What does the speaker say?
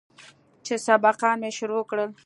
چې سبقان مې شروع کړل.